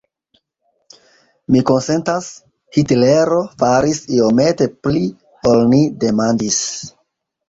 Mi konsentas: Hitlero faris iomete pli, ol ni demandis.